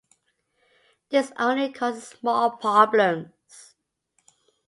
This only causes more problems.